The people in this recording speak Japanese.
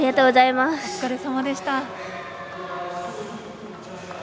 お疲れさまでした。